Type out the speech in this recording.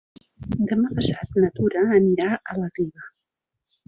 Demà passat na Tura anirà a la Riba.